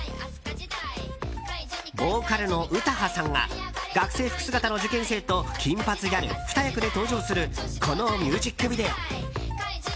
ボーカルの詩羽さんが学生服姿の受験生と金髪ギャル２役で登場するこのミュージックビデオ。